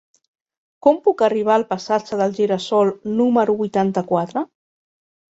Com puc arribar al passatge del Gira-sol número vuitanta-quatre?